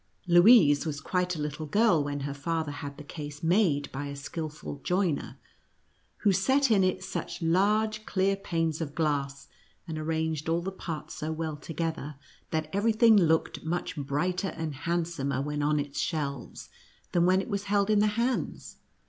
Louise was quite a little girl when her father had the case made by a skilful joiner, who set in it such large, clear panes of glass, and arranged all the parts so well together, that every thing looked much brighter and handsomer when on its shelves than when it was held in the hands.